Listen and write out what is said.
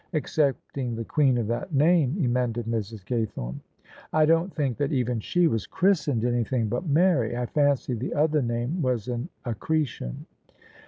" Excepting the queen of that name," emended Mrs. Gaythorne. " I don't think that even she was christened anything but Mary. I fancy the other name was an accretion."